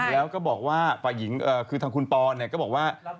แล้วก็บอกว่าฝ่ายหญิงคือทางคุณปอนก็บอกว่า